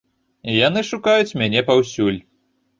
Яны шукаюць мяне паўсюль.